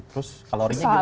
terus kalorinya gimana tuh